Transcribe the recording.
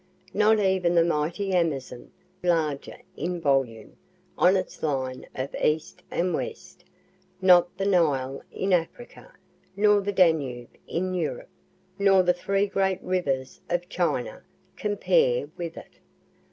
Not even the mighty Amazon (though larger in volume) on its line of east and west not the Nile in Africa, nor the Danube in Europe, nor the three great rivers of China, compare with it.